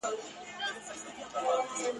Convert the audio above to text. په انارګل کي چي د سرومیو پیالې وي وني !.